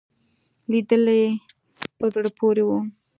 لیدلې په زړه پورې وو.